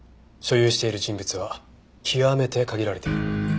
所有している人物は極めて限られている。